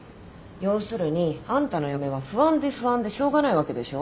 要するにあんたの嫁は不安で不安でしょうがないわけでしょ？